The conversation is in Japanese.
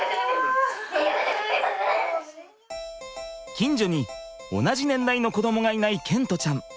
近所に同じ年代の子どもがいない賢澄ちゃん。